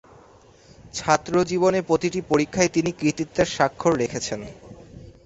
ছাত্রজীবনে প্রতিটি পরীক্ষায় তিনি কৃতিত্বের স্বাক্ষর রেখেছেন।